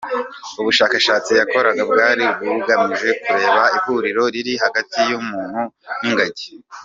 Ubushakashatsi yakoraga, bwari bugamije kureba ihuriro riri hagati y’umuntu n’ingagi.